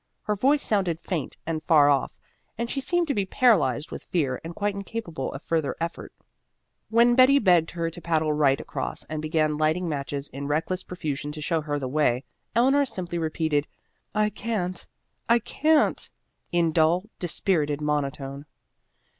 Her voice sounded faint and far off, and she seemed to be paralyzed with fear and quite incapable of further effort. When Betty begged her to paddle right across and began lighting matches in reckless profusion to show her the way, Eleanor simply repeated, "I can't, I can't," in dull, dispirited monotone.